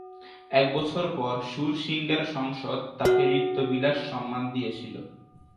এক বছর পরে সুর সিঙ্গার সংসদ তাঁকে "নৃত্য বিলাস" সম্মান দিয়েছিল।